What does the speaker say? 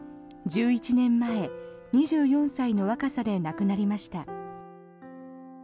１１年前２４歳の若さで亡くなりました。